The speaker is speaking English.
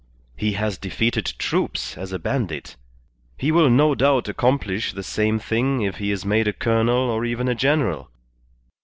He has defeated troops as a bandit; he will no doubt accomplish the same thing if he is made a colonel or even a general.